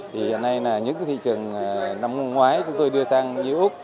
giờ này là những thị trường năm hôm ngoái chúng tôi đưa sang như úc